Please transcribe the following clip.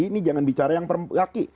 ini jangan bicara yang laki